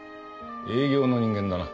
営業の人間だな。